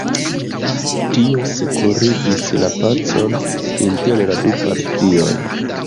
Tio sekurigis la pacon inter la du partioj.